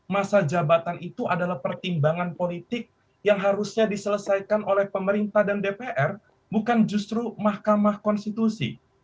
masa jabatan itu adalah pertimbangan politik yang harusnya diselesaikan oleh pemerintah dan dpr bukan justru mahkamah konstitusi